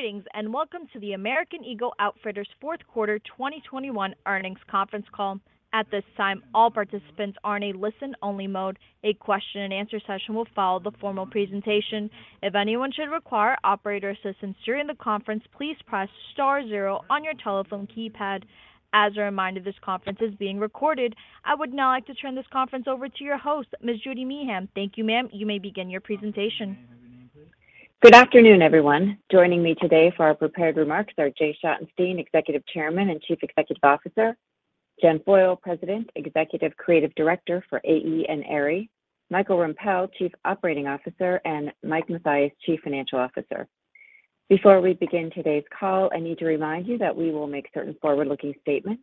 Greetings, and welcome to the American Eagle Outfitters Q4 2021 earnings conference call. At this time, all participants are in a listen-only mode. A question and answer session will follow the formal presentation. If anyone should require operator assistance during the conference, please press star zero on your telephone keypad. As a reminder, this conference is being recorded. I would now like to turn this conference over to your host, Ms. Judy Meehan. Thank you, ma'am. You may begin your presentation. Good afternoon, everyone. Joining me today for our prepared remarks are Jay Schottenstein, Executive Chairman and Chief Executive Officer. Jennifer Foyle, President, Executive Creative Director for AE and Aerie. Michael Rempell, Chief Operating Officer, and Mike Mathias, Chief Financial Officer. Before we begin today's call, I need to remind you that we will make certain forward-looking statements.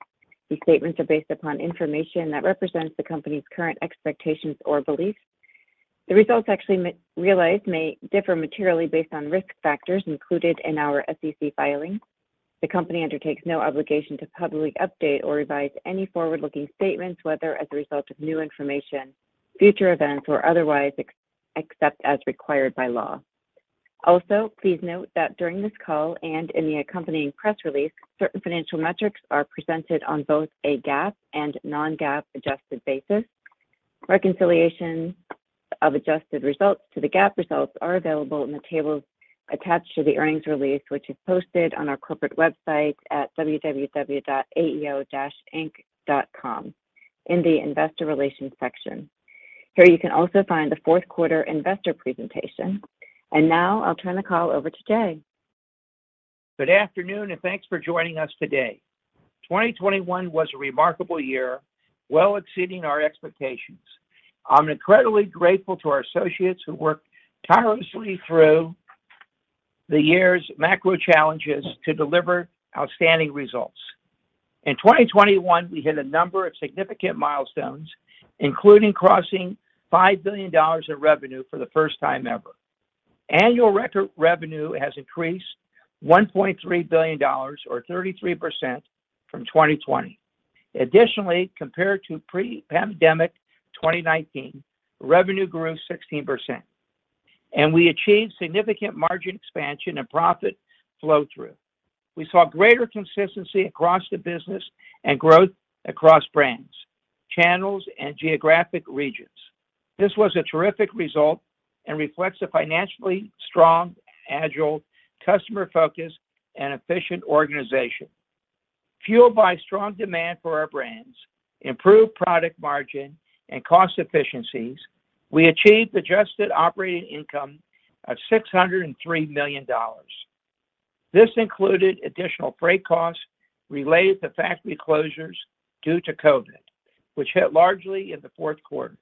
These statements are based upon information that represents the Company's current expectations or beliefs. The results actually realized may differ materially based on risk factors included in our SEC filings. The Company undertakes no obligation to publicly update or revise any forward-looking statements, whether as a result of new information, future events or otherwise, except as required by law. Also, please note that during this call and in the accompanying press release, certain financial metrics are presented on both a GAAP and non-GAAP adjusted basis. Reconciliation of adjusted results to the GAAP results are available in the tables attached to the earnings release, which is posted on our corporate website at www.aeo-inc.com in the Investor Relations section. Here, you can also find the Q4 investor presentation. Now I'll turn the call over to Jay. Good afternoon, and thanks for joining us today. 2021 was a remarkable year, well exceeding our expectations. I'm incredibly grateful to our associates who worked tirelessly through the year's macro challenges to deliver outstanding results. In 2021, we hit a number of significant milestones, including crossing $5 billion in revenue for the first time ever. Annual record revenue has increased $1.3 billion or 33% from 2020. Additionally, compared to pre-pandemic 2019, revenue grew 16%, and we achieved significant margin expansion and profit flow-through. We saw greater consistency across the business and growth across brands, channels, and geographic regions. This was a terrific result and reflects a financially strong, agile, customer-focused, and efficient organization. Fueled by strong demand for our brands, improved product margin and cost efficiencies, we achieved adjusted operating income of $603 million. This included additional freight costs related to factory closures due to COVID, which hit largely in the Q4.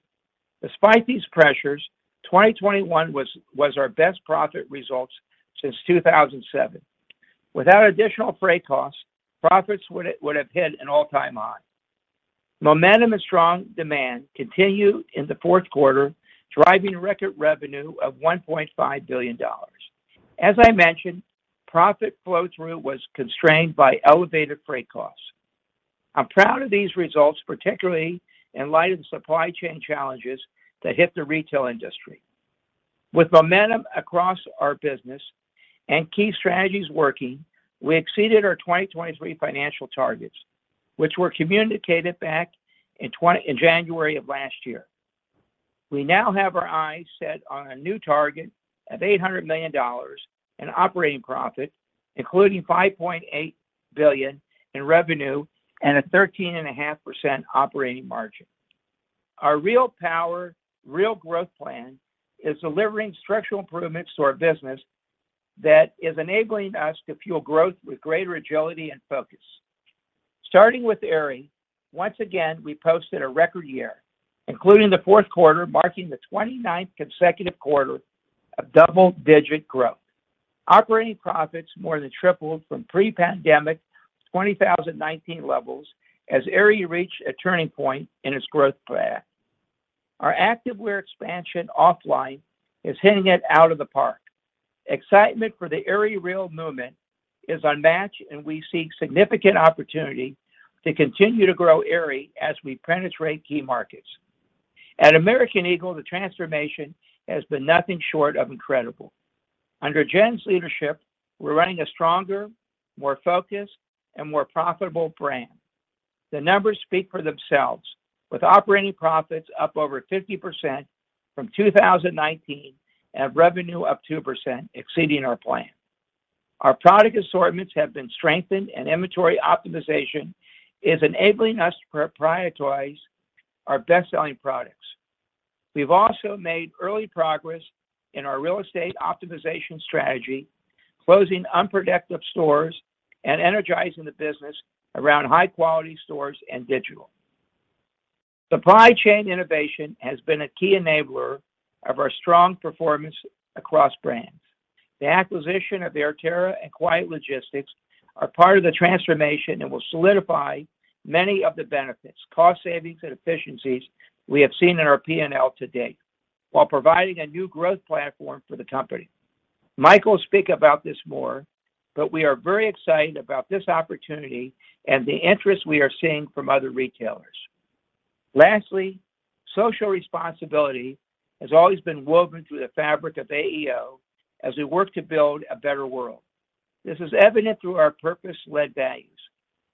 Despite these pressures, 2021 was our best profit results since 2007. Without additional freight costs, profits would have hit an all-time high. Momentum and strong demand continued in the Q4, driving record revenue of $1.5 billion. As I mentioned, profit flow-through was constrained by elevated freight costs. I'm proud of these results, particularly in light of the supply chain challenges that hit the retail industry. With momentum across our business and key strategies working, we exceeded our 2023 financial targets, which were communicated back in January of last year. We now have our eyes set on a new target of $800 million in operating profit, including $5.8 billion in revenue and a 13.5% operating margin. Our Real Power. Real Growth. plan is delivering structural improvements to our business that is enabling us to fuel growth with greater agility and focus. Starting with Aerie, once again, we posted a record year, including the Q4, marking the 29th consecutive quarter of double-digit growth. Operating profits more than tripled from pre-pandemic 2019 levels as Aerie reached a turning point in its growth path. Our active wear expansion OFFLINE is hitting it out of the park. Excitement for the Aerie Real movement is unmatched, and we seek significant opportunity to continue to grow Aerie as we penetrate key markets. At American Eagle, the transformation has been nothing short of incredible. Under Jen's leadership, we're running a stronger, more focused, and more profitable brand. The numbers speak for themselves, with operating profits up over 50% from 2019 and revenue up 2% exceeding our plan. Our product assortments have been strengthened, and inventory optimization is enabling us to prioritize our best-selling products. We've also made early progress in our real estate optimization strategy, closing unproductive stores and energizing the business around high-quality stores and digital. Supply chain innovation has been a key enabler of our strong performance across brands. The acquisition of Airterra and Quiet Logistics are part of the transformation and will solidify many of the benefits, cost savings, and efficiencies we have seen in our P&L to date while providing a new growth platform for the company. Michael will speak about this more, but we are very excited about this opportunity and the interest we are seeing from other retailers. Lastly, social responsibility has always been woven through the fabric of AEO as we work to build a better world. This is evident through our purpose-led values,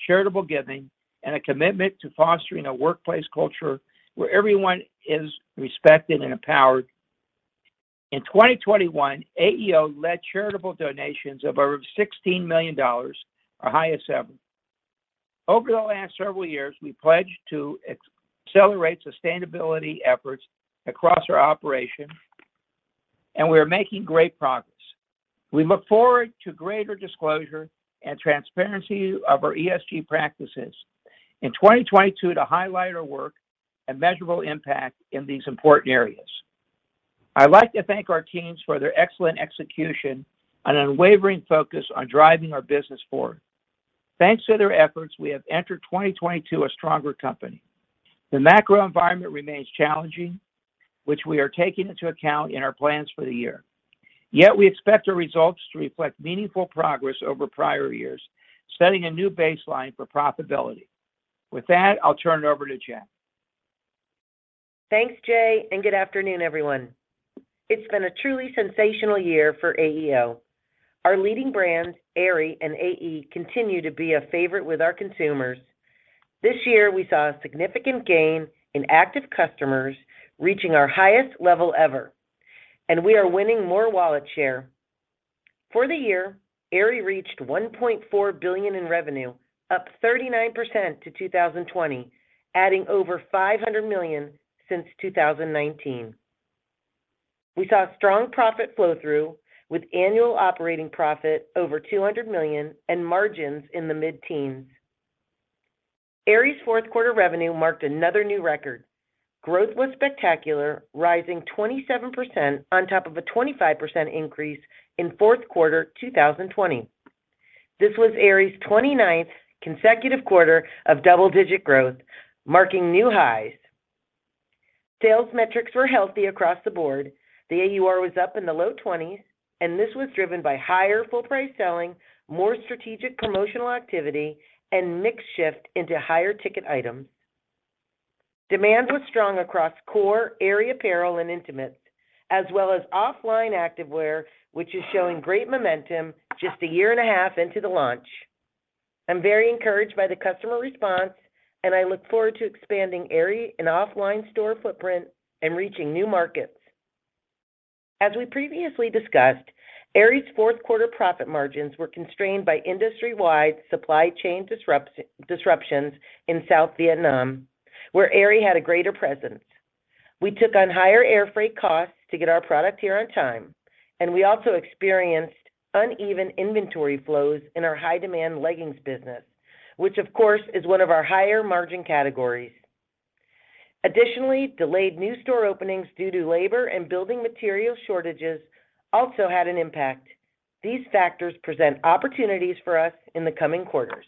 charitable giving, and a commitment to fostering a workplace culture where everyone is respected and empowered. In 2021, AEO led charitable donations of over $16 million, our highest ever. Over the last several years, we pledged to accelerate sustainability efforts across our operation, and we are making great progress. We look forward to greater disclosure and transparency of our ESG practices in 2022 to highlight our work and measurable impact in these important areas. I'd like to thank our teams for their excellent execution and unwavering focus on driving our business forward. Thanks to their efforts, we have entered 2022 a stronger company. The macro environment remains challenging, which we are taking into account in our plans for the year. Yet we expect our results to reflect meaningful progress over prior years, setting a new baseline for profitability. With that, I'll turn it over to Jen. Thanks, Jay, and good afternoon, everyone. It's been a truly sensational year for AEO. Our leading brands, Aerie and AE, continue to be a favorite with our consumers. This year, we saw a significant gain in active customers, reaching our highest level ever, and we are winning more wallet share. For the year, Aerie reached $1.4 billion in revenue, up 39% to 2020, adding over $500 million since 2019. We saw strong profit flow through with annual operating profit over $200 million and margins in the mid-teens. Aerie's Q4 revenue marked another new record. Growth was spectacular, rising 27% on top of a 25% increase in Q4 2020. This was Aerie's 29th consecutive quarter of double-digit growth, marking new highs. Sales metrics were healthy across the board. The AUR was up in the low 20s%, and this was driven by higher full price selling, more strategic promotional activity, and mix shift into higher ticket items. Demand was strong across core Aerie apparel and intimates, as well as OFFLINE activewear, which is showing great momentum just a year and a half into the launch. I'm very encouraged by the customer response, and I look forward to expanding Aerie in OFFLINE store footprint and reaching new markets. As we previously discussed, Aerie's Q4 profit margins were constrained by industry-wide supply chain disruptions in South Vietnam, where Aerie had a greater presence. We took on higher air freight costs to get our product here on time, and we also experienced uneven inventory flows in our high demand leggings business, which of course is one of our higher margin categories. Additionally, delayed new store openings due to labor and building material shortages also had an impact. These factors present opportunities for us in the coming quarters.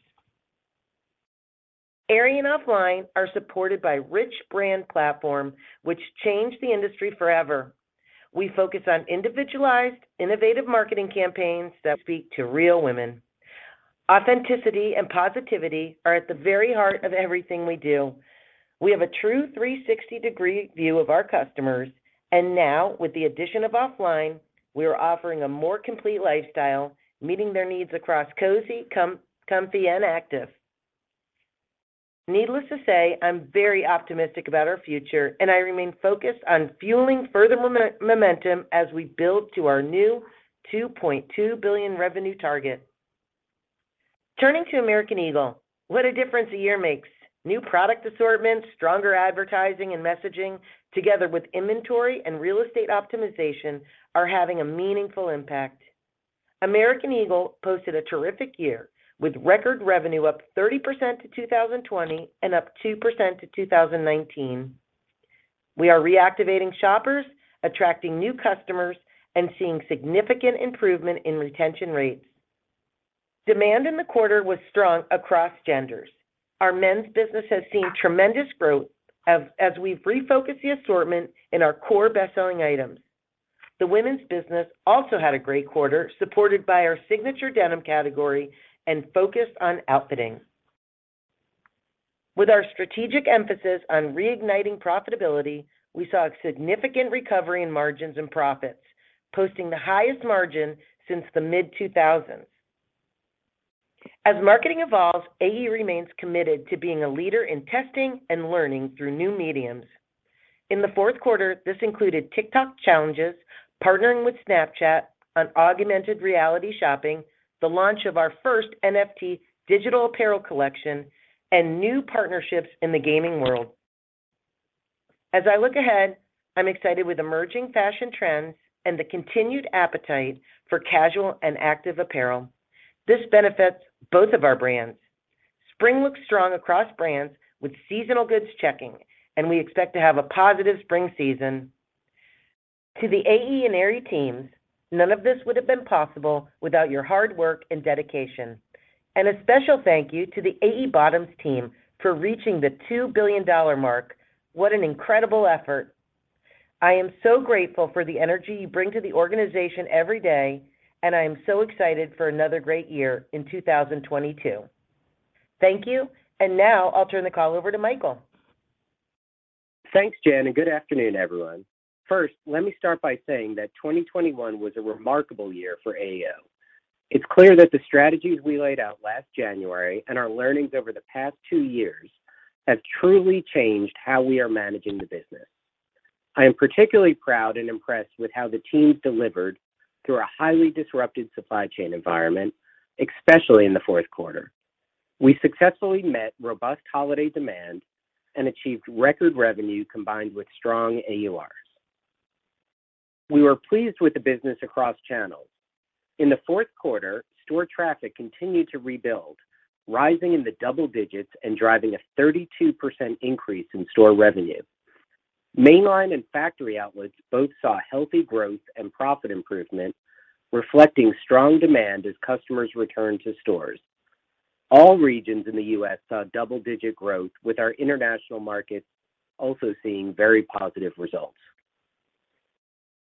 Aerie and Offline are supported by rich brand platform which changed the industry forever. We focus on individualized, innovative marketing campaigns that speak to real women. Authenticity and positivity are at the very heart of everything we do. We have a true 360-degree view of our customers, and now with the addition of Offline, we are offering a more complete lifestyle, meeting their needs across cozy, comfy, and active. Needless to say, I'm very optimistic about our future, and I remain focused on fueling further momentum as we build to our new $2.2 billion revenue target. Turning to American Eagle, what a difference a year makes. New product assortments, stronger advertising, and messaging, together with inventory and real estate optimization, are having a meaningful impact. American Eagle posted a terrific year with record revenue up 30% to 2020 and up 2% to 2019. We are reactivating shoppers, attracting new customers, and seeing significant improvement in retention rates. Demand in the quarter was strong across genders. Our men's business has seen tremendous growth as we've refocused the assortment in our core best-selling items. The women's business also had a great quarter, supported by our signature denim category and focused on outfitting. With our strategic emphasis on reigniting profitability, we saw a significant recovery in margins and profits, posting the highest margin since the mid-2000s. As marketing evolves, AE remains committed to being a leader in testing and learning through new media. In the Q4, this included TikTok challenges, partnering with Snapchat on augmented reality shopping, the launch of our first NFT digital apparel collection, and new partnerships in the gaming world. As I look ahead, I'm excited with emerging fashion trends and the continued appetite for casual and active apparel. This benefits both of our brands. Spring looks strong across brands with seasonal goods checking, and we expect to have a positive spring season. To the AE and Aerie teams, none of this would have been possible without your hard work and dedication. A special thank you to the AE bottoms team for reaching the $2 billion mark. What an incredible effort. I am so grateful for the energy you bring to the organization every day, and I am so excited for another great year in 2022. Thank you. Now I'll turn the call over to Michael. Thanks, Jen, and good afternoon, everyone. First, let me start by saying that 2021 was a remarkable year for AEO. It's clear that the strategies we laid out last January and our learnings over the past two years have truly changed how we are managing the business. I am particularly proud and impressed with how the team delivered through a highly disrupted supply chain environment, especially in the Q4. We successfully met robust holiday demand and achieved record revenue combined with strong AURs. We were pleased with the business across channels. In the Q4, store traffic continued to rebuild, rising in the double digits and driving a 32% increase in store revenue. Mainline and factory outlets both saw healthy growth and profit improvement, reflecting strong demand as customers returned to stores. All regions in the U.S. saw double-digit growth, with our international markets also seeing very positive results.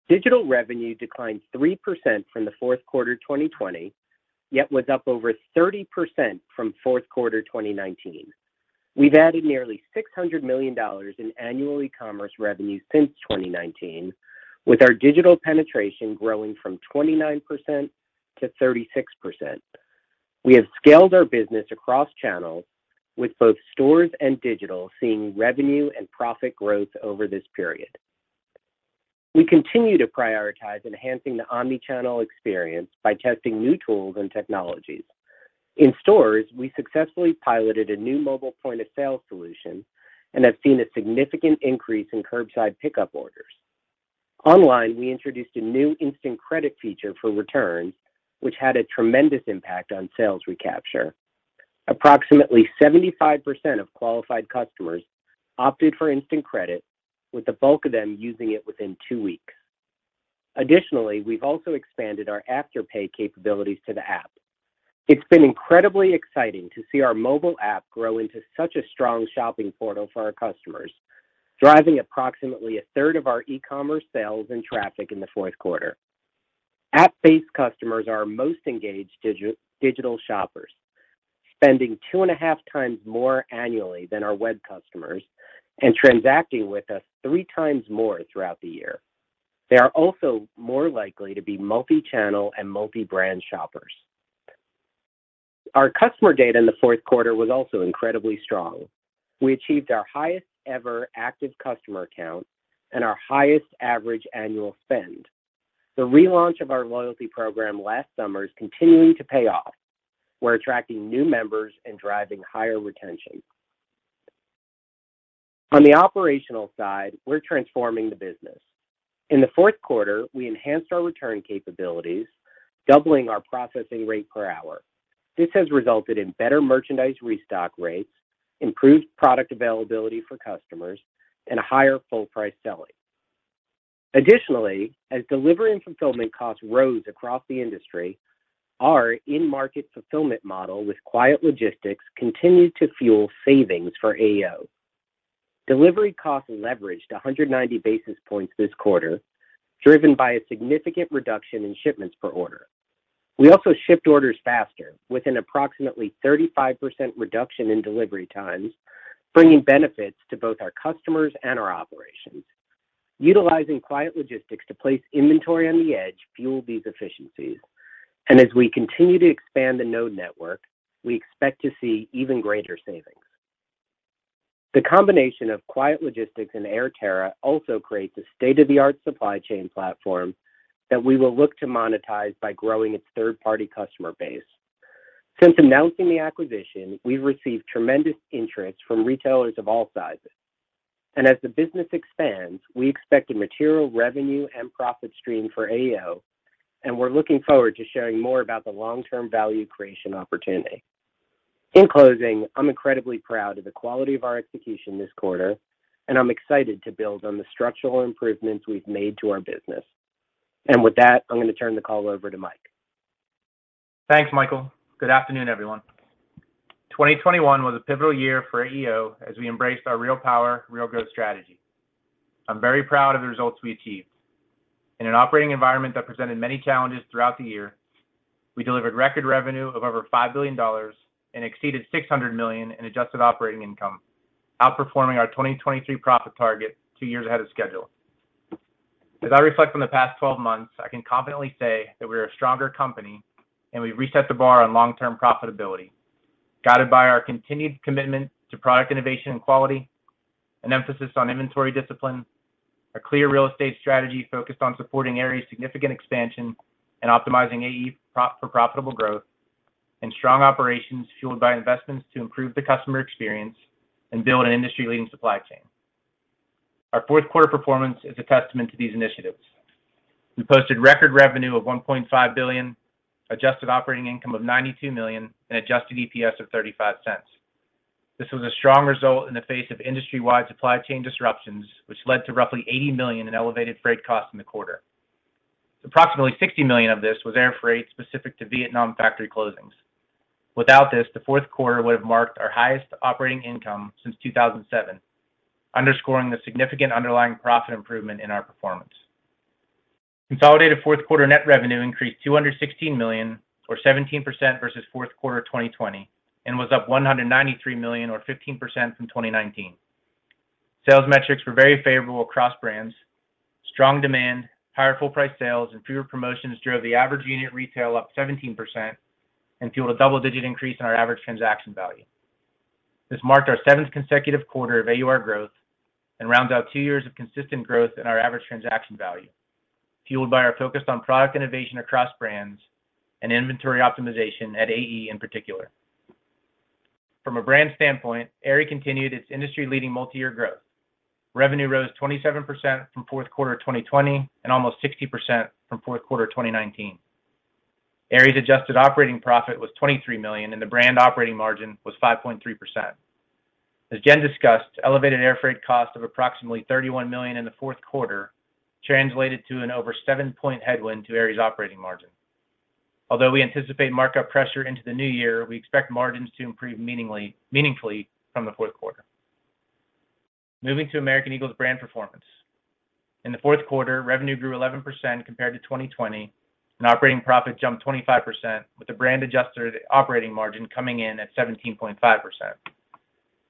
Digital revenue declined 3% from the Q4 2020, yet was up over 30% from Q4 2019. We've added nearly $600 million in annual e-commerce revenue since 2019, with our digital penetration growing from 29% to 36%. We have scaled our business across channels, with both stores and digital seeing revenue and profit growth over this period. We continue to prioritize enhancing the omni-channel experience by testing new tools and technologies. In stores, we successfully piloted a new mobile point-of-sale solution and have seen a significant increase in curbside pickup orders. Online, we introduced a new instant credit feature for returns, which had a tremendous impact on sales recapture. Approximately 75% of qualified customers opted for instant credit, with the bulk of them using it within two weeks. Additionally, we've also expanded our Afterpay capabilities to the app. It's been incredibly exciting to see our mobile app grow into such a strong shopping portal for our customers, driving approximately a third of our e-commerce sales and traffic in the Q4. App-based customers are our most engaged digital shoppers, spending 2.5x more annually than our web customers and transacting with us 3x more throughout the year. They are also more likely to be multi-channel and multi-brand shoppers. Our customer data in the Q4 was also incredibly strong. We achieved our highest ever active customer count and our highest average annual spend. The relaunch of our loyalty program last summer is continuing to pay off. We're attracting new members and driving higher retention. On the operational side, we're transforming the business. In the Q4, we enhanced our return capabilities, doubling our processing rate per hour. This has resulted in better merchandise restock rates, improved product availability for customers, and a higher full price selling. Additionally, as delivery and fulfillment costs rose across the industry, our in-market fulfillment model with Quiet Logistics continued to fuel savings for AEO. Delivery costs leveraged 190 basis points this quarter, driven by a significant reduction in shipments per order. We also shipped orders faster with an approximately 35% reduction in delivery times, bringing benefits to both our customers and our operations. Utilizing Quiet Logistics to place inventory on the edge fueled these efficiencies, and as we continue to expand the node network, we expect to see even greater savings. The combination of Quiet Logistics and Airterra also creates a state-of-the-art supply chain platform that we will look to monetize by growing its third-party customer base. Since announcing the acquisition, we've received tremendous interest from retailers of all sizes. As the business expands, we expect a material revenue and profit stream for AEO, and we're looking forward to sharing more about the long-term value creation opportunity. In closing, I'm incredibly proud of the quality of our execution this quarter, and I'm excited to build on the structural improvements we've made to our business. With that, I'm gonna turn the call over to Mike. Thanks, Michael. Good afternoon, everyone. 2021 was a pivotal year for AEO as we embraced our Real Power, Real Growth strategy. I'm very proud of the results we achieved. In an operating environment that presented many challenges throughout the year, we delivered record revenue of over $5 billion and exceeded $600 million in adjusted operating income, outperforming our 2023 profit target two years ahead of schedule. As I reflect on the past 12 months, I can confidently say that we're a stronger company, and we've reset the bar on long-term profitability, guided by our continued commitment to product innovation and quality, an emphasis on inventory discipline, a clear real estate strategy focused on supporting Aerie's significant expansion and optimizing AE footprint for profitable growth, and strong operations fueled by investments to improve the customer experience and build an industry-leading supply chain. Our Q4 performance is a testament to these initiatives. We posted record revenue of $1.5 billion, adjusted operating income of $92 million, and adjusted EPS of $0.35. This was a strong result in the face of industry-wide supply chain disruptions, which led to roughly $80 million in elevated freight costs in the quarter. Approximately $60 million of this was air freight specific to Vietnam factory closings. Without this, the Q4 would have marked our highest operating income since 2007, underscoring the significant underlying profit improvement in our performance. Consolidated Q4 net revenue increased $216 million or 17% versus Q4 2020, and was up $193 million or 15% from 2019. Sales metrics were very favorable across brands. Strong demand, higher full price sales, and fewer promotions drove the average unit retail up 17% and fueled a double-digit increase in our average transaction value. This marked our seventh consecutive quarter of AUR growth and rounds out two years of consistent growth in our average transaction value, fueled by our focus on product innovation across brands and inventory optimization at AE in particular. From a brand standpoint, Aerie continued its industry-leading multi-year growth. Revenue rose 27% from Q4 2020 and almost 60% from Q4 2019. Aerie's adjusted operating profit was $23 million, and the brand operating margin was 5.3%. As Jen discussed, elevated air freight cost of approximately $31 million in the Q4 translated to an over 7-point headwind to Aerie's operating margin. Although we anticipate markup pressure into the new year, we expect margins to improve meaningfully from the Q4. Moving to American Eagle's brand performance. In the Q4, revenue grew 11% compared to 2020, and operating profit jumped 25% with the brand adjusted operating margin coming in at 17.5%.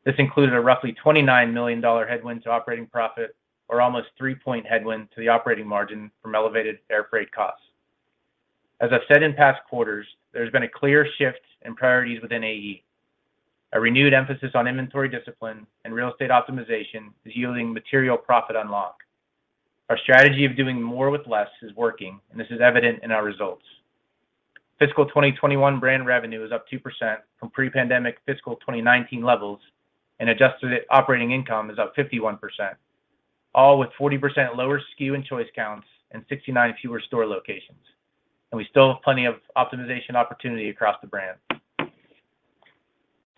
This included a roughly $29 million headwind to operating profit or almost 3-point headwind to the operating margin from elevated air freight costs. As I've said in past quarters, there's been a clear shift in priorities within AE. A renewed emphasis on inventory discipline and real estate optimization is yielding material profit unlock. Our strategy of doing more with less is working, and this is evident in our results. Fiscal 2021 brand revenue is up 2% from pre-pandemic fiscal 2019 levels, and adjusted operating income is up 51%, all with 40% lower SKU and choice counts and 69 fewer store locations. We still have plenty of optimization opportunity across the brand.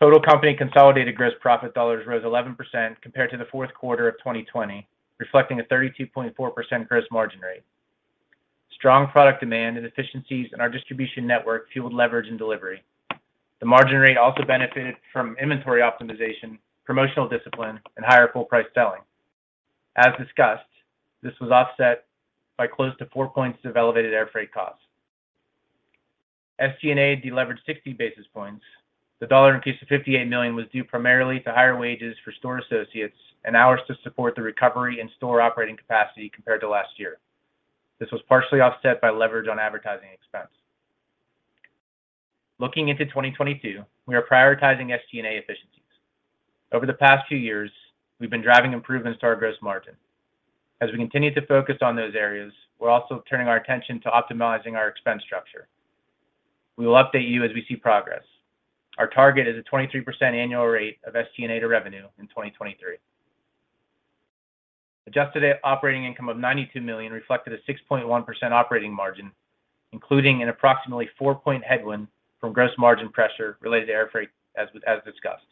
Total company consolidated gross profit dollars rose 11% compared to the Q4 of 2020, reflecting a 32.4% gross margin rate. Strong product demand and efficiencies in our distribution network fueled leverage and delivery. The margin rate also benefited from inventory optimization, promotional discipline, and higher full price selling. As discussed, this was offset by close to four points of elevated air freight costs. SG&A deleveraged 60 basis points. The $58 million increase was due primarily to higher wages for store associates and hours to support the recovery in store operating capacity compared to last year. This was partially offset by leverage on advertising expense. Looking into 2022, we are prioritizing SG&A efficiencies. Over the past few years, we've been driving improvements to our gross margin. As we continue to focus on those areas, we're also turning our attention to optimizing our expense structure. We will update you as we see progress. Our target is a 23% annual rate of SG&A to revenue in 2023. Adjusted operating income of $92 million reflected a 6.1% operating margin, including an approximately 4-point headwind from gross margin pressure related to air freight, as discussed.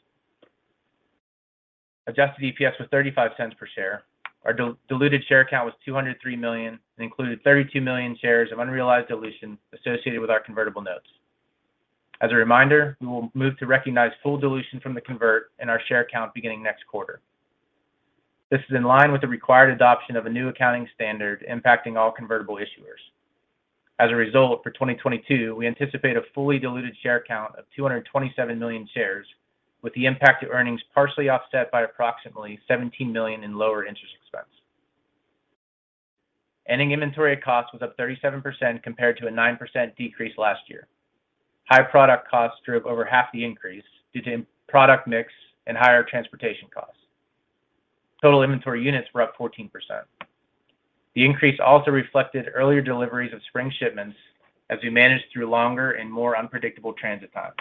Adjusted EPS was $0.35 per share. Our diluted share count was 203 million, and included 32 million shares of unrealized dilution associated with our convertible notes. As a reminder, we will move to recognize full dilution from the convert in our share count beginning next quarter. This is in line with the required adoption of a new accounting standard impacting all convertible issuers. As a result, for 2022, we anticipate a fully diluted share count of 227 million shares, with the impact to earnings partially offset by approximately $17 million in lower interest expense. Ending inventory cost was up 37% compared to a 9% decrease last year. High product costs drove over half the increase due to product mix and higher transportation costs. Total inventory units were up 14%. The increase also reflected earlier deliveries of spring shipments as we managed through longer and more unpredictable transit times.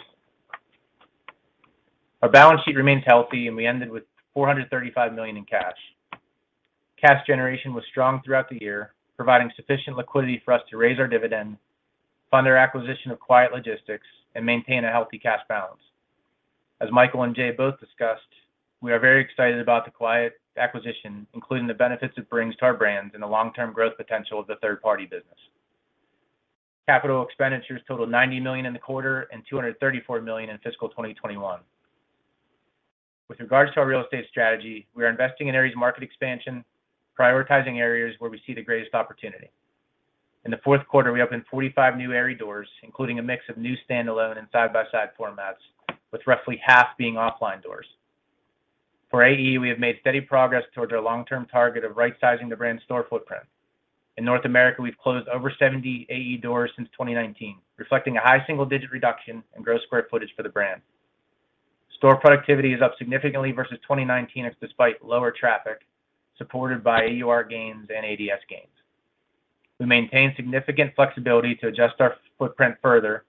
Our balance sheet remains healthy, and we ended with $435 million in cash. Cash generation was strong throughout the year, providing sufficient liquidity for us to raise our dividend, fund our acquisition of Quiet Logistics, and maintain a healthy cash balance. As Michael and Jay both discussed, we are very excited about the Quiet acquisition, including the benefits it brings to our brands and the long-term growth potential of the third-party business. Capital expenditures totaled $90 million in the quarter and $234 million in fiscal 2021. With regards to our real estate strategy, we are investing in Aerie's market expansion, prioritizing areas where we see the greatest opportunity. In the Q4, we opened 45 new Aerie doors, including a mix of new standalone and side-by-side formats, with roughly half being offline doors. For AE, we have made steady progress towards our long-term target of rightsizing the brand's store footprint. In North America, we've closed over 70 AE doors since 2019, reflecting a high single-digit reduction in gross square footage for the brand. Store productivity is up significantly versus 2019 despite lower traffic, supported by AUR gains and ADS gains. We maintain significant flexibility to adjust our footprint further,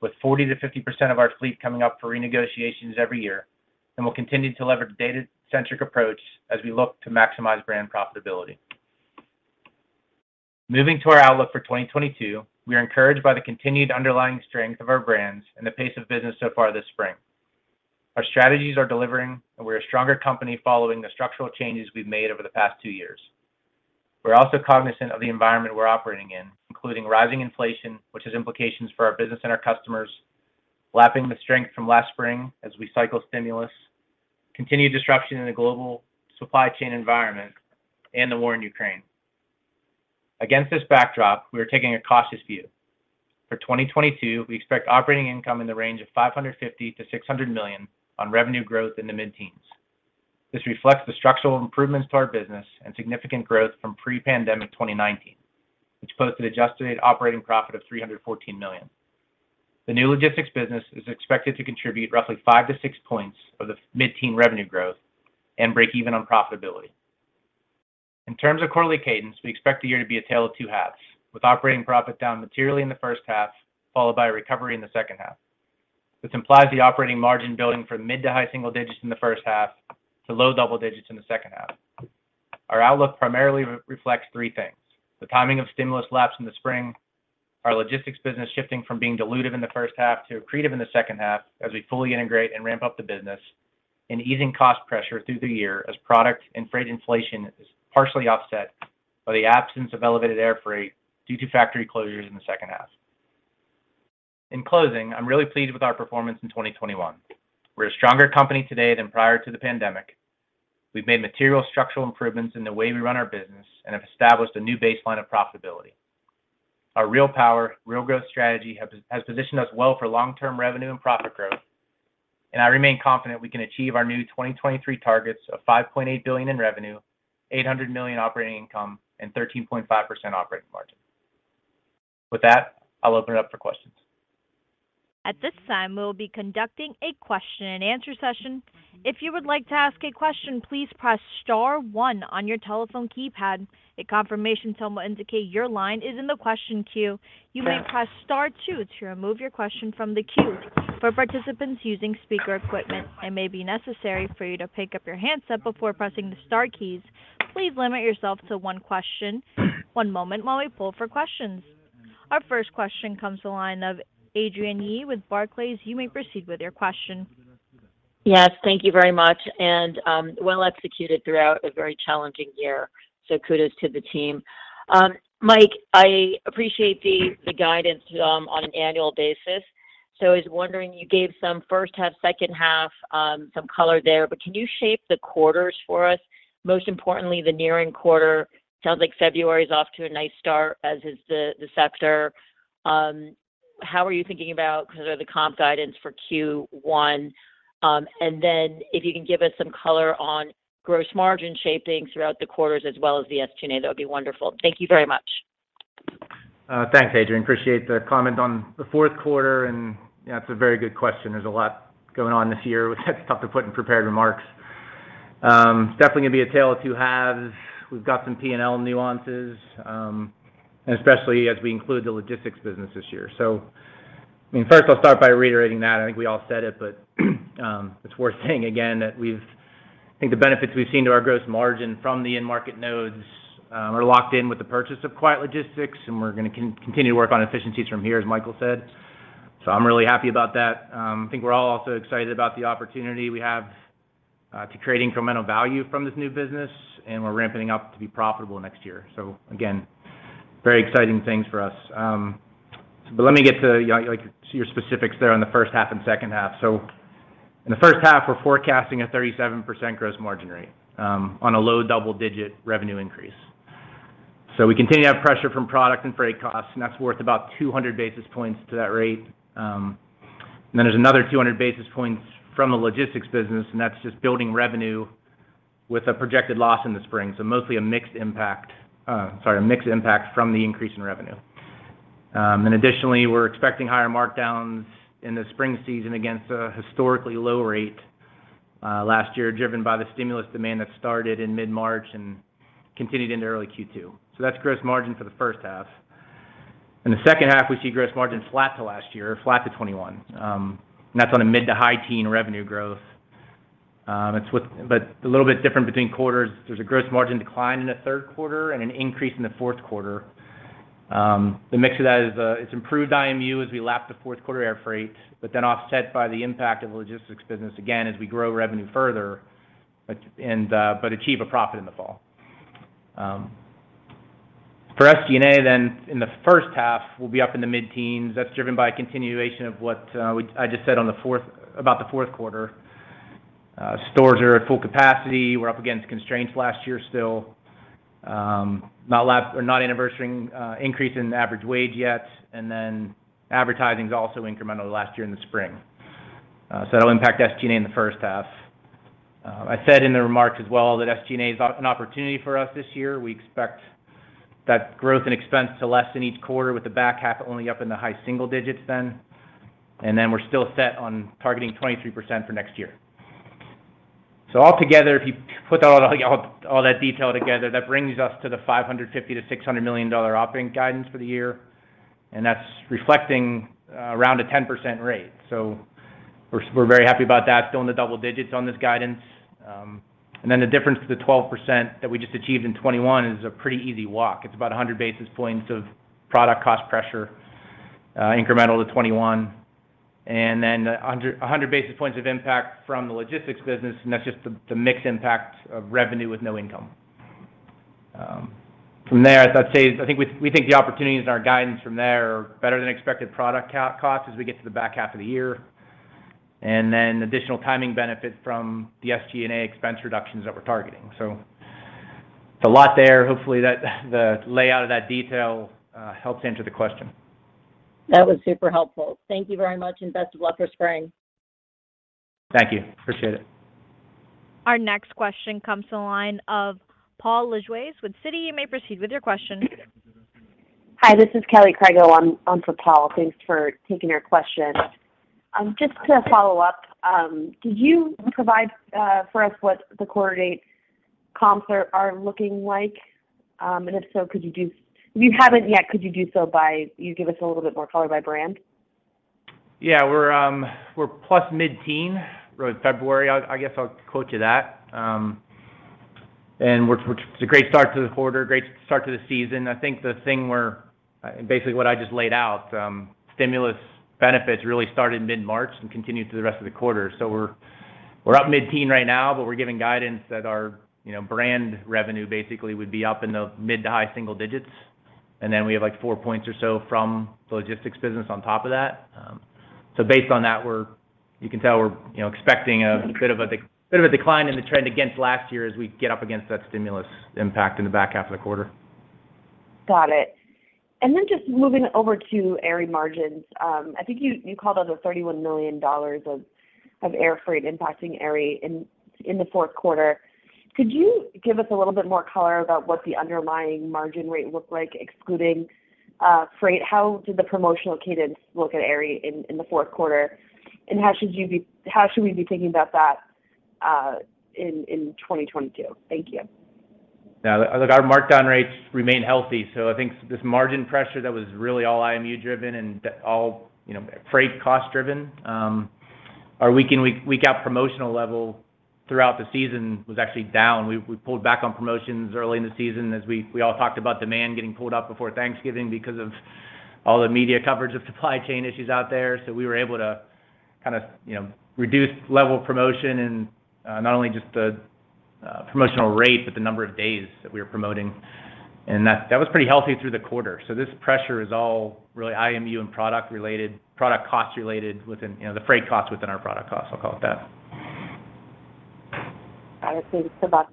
with 40%-50% of our fleet coming up for renegotiations every year, and we'll continue to leverage a data-centric approach as we look to maximize brand profitability. Moving to our outlook for 2022, we are encouraged by the continued underlying strength of our brands and the pace of business so far this spring. Our strategies are delivering, and we're a stronger company following the structural changes we've made over the past two years. We're also cognizant of the environment we're operating in, including rising inflation, which has implications for our business and our customers, lapping the strength from last spring as we cycle stimulus, continued disruption in the global supply chain environment, and the war in Ukraine. Against this backdrop, we are taking a cautious view. For 2022, we expect operating income in the range of $550 million-$600 million on revenue growth in the mid-teens. This reflects the structural improvements to our business and significant growth from pre-pandemic 2019, which posted adjusted operating profit of $314 million. The new logistics business is expected to contribute roughly 5-6 points of the mid-teen revenue growth and break even on profitability. In terms of quarterly cadence, we expect the year to be a tale of two halves, with operating profit down materially in the first half, followed by a recovery in the second half. This implies the operating margin building from mid- to high-single digits in the first half to low double digits in the second half. Our outlook primarily reflects three things. The timing of stimulus lapping in the spring, our logistics business shifting from being dilutive in the first half to accretive in the second half as we fully integrate and ramp up the business, and easing cost pressure through the year as product and freight inflation is partially offset by the absence of elevated air freight due to factory closures in the second half. In closing, I'm really pleased with our performance in 2021. We're a stronger company today than prior to the pandemic. We've made material structural improvements in the way we run our business and have established a new baseline of profitability. Our Real Power. Real Growth. strategy has positioned us well for long-term revenue and profit growth. I remain confident we can achieve our new 2023 targets of $5.8 billion in revenue, $800 million operating income, and 13.5% operating margin. With that, I'll open it up for questions. At this time, we will be conducting a question and answer session. If you would like to ask a question, please press star one on your telephone keypad. A confirmation tone will indicate your line is in the question queue. You may press star two to remove your question from the queue. For participants using speaker equipment, it may be necessary for you to pick up your handset before pressing the star keys. Please limit yourself to one question. One moment while we poll for questions. Our first question comes to the line of Adrienne Yih with Barclays. You may proceed with your question. Yes, thank you very much, and well executed throughout a very challenging year. Kudos to the team. Mike, I appreciate the guidance on an annual basis. I was wondering, you gave some first half, second half, some color there, but can you shape the quarters for us? Most importantly, the nearing quarter sounds like February is off to a nice start, as is the sector. How are you thinking about sort of the comp guidance for Q1? Then if you can give us some color on gross margin shaping throughout the quarters as well as the SG&A, that would be wonderful. Thank you very much. Thanks, Adrienne. Appreciate the comment on the Q4. Yeah, it's a very good question. There's a lot going on this year, which is tough to put in prepared remarks. It's definitely gonna be a tale of two halves. We've got some P&L nuances, and especially as we include the logistics business this year. I mean, first I'll start by reiterating that. I think we all said it, but it's worth saying again that I think the benefits we've seen to our gross margin from the end market nodes are locked in with the purchase of Quiet Logistics, and we're gonna continue to work on efficiencies from here, as Michael said. I'm really happy about that. I think we're all also excited about the opportunity we have to create incremental value from this new business, and we're ramping up to be profitable next year. Again, very exciting things for us. Let me get to, you know, like your specifics there on the first half and second half. In the first half, we're forecasting a 37% gross margin rate on a low double-digit% revenue increase. We continue to have pressure from product and freight costs, and that's worth about 200 basis points to that rate. There's another 200 basis points from the logistics business, and that's just building revenue with a projected loss in the spring. Mostly a mixed impact from the increase in revenue. Additionally, we're expecting higher markdowns in the spring season against a historically low rate last year, driven by the stimulus demand that started in mid-March and continued into early Q2. That's gross margin for the first half. In the second half, we see gross margin flat to last year, flat to 2021. That's on a mid- to high-teens% revenue growth. It's a little bit different between quarters. There's a gross margin decline in the third quarter and an increase in the Q4. The mix of that is, it's improved IMU as we lap the Q4 air freight, but then offset by the impact of the logistics business again as we grow revenue further, but achieve a profit in the fall. For SG&A then in the first half, we'll be up in the mid-teens%. That's driven by a continuation of what I just said on the Q4. Stores are at full capacity. We're up against constraints last year still. Not anniversarying increase in average wage yet. Advertising is also incremental to last year in the spring. That'll impact SG&A in the first half. I said in the remarks as well that SG&A is an opportunity for us this year. We expect that growth and expense to lessen each quarter with the back half only up in the high single digits%. We're still set on targeting 23% for next year. If you put all that detail together, that brings us to the $550 million-$600 million operating guidance for the year. That's reflecting around a 10% rate. We're very happy about that. Still in the double digits on this guidance. The difference to the 12% that we just achieved in 2021 is a pretty easy walk. It's about 100 basis points of product cost pressure, incremental to 2021. A 100 basis points of impact from the logistics business, and that's just the mix impact of revenue with no income. From there, as I'd say. I think we think the opportunities in our guidance from there are better than expected product costs as we get to the back half of the year. Additional timing benefit from the SG&A expense reductions that we're targeting. It's a lot there. Hopefully that the layout of that detail helps answer the question. That was super helpful. Thank you very much and best of luck for spring. Thank you. Appreciate it. Our next question comes to the line of Paul Lejuez with Citi. You may proceed with your question. Hi, this is Paul Lejuez. I'm for Paul. Thanks for taking our question. Just to follow up, did you provide for us what the Q1-to-date comps are looking like? If you haven't yet, could you give us a little bit more color by brand? Yeah. We're up mid-teens% for February. I guess I'll quote you that. It's a great start to the quarter, great start to the season. I think basically what I just laid out, stimulus benefits really started mid-March and continued through the rest of the quarter. We're up mid-teens% right now, but we're giving guidance that our brand revenue basically would be up in the mid- to high single digits%. Then we have like four points or so from the logistics business on top of that. Based on that, you can tell we're expecting a bit of a decline in the trend against last year as we get up against that stimulus impact in the back half of the quarter. Got it. Just moving over to Aerie margins. I think you called out the $31 million of air freight impacting Aerie in the Q4. Could you give us a little bit more color about what the underlying margin rate looked like excluding freight? How did the promotional cadence look at Aerie in the Q4? How should we be thinking about that in 2022? Thank you. Yeah. Look, our markdown rates remain healthy, so I think this margin pressure that was really all IMU driven and all, you know, freight cost driven. Our week-in, week-out promotional level throughout the season was actually down. We pulled back on promotions early in the season as we all talked about demand getting pulled up before Thanksgiving because of all the media coverage of supply chain issues out there. So we were able to kind of, you know, reduce level of promotion and not only just the promotional rate, but the number of days that we were promoting. And that was pretty healthy through the quarter. So this pressure is all really IMU and product related, product cost related within our product cost, you know, the freight cost within our product cost, I'll call it that. Got it. Thanks so much.